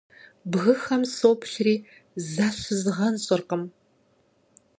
Бгыхэм соплъри защызгъэнщӀыркъым.